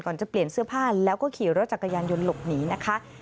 จะเปลี่ยนเสื้อผ้าแล้วก็ขี่รถจักรยานยนต์หลบหนีนะคะ